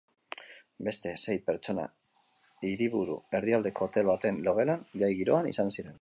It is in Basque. Beste sei pertsona hiriburu erdialdeko hotel baten logelan, jai giroan izan ziren.